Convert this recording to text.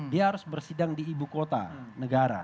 dia harus bersidang di ibu kota negara